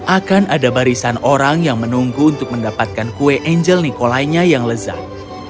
akan ada barisan orang yang menunggu untuk mendapatkan kue angel nikolainya yang lezat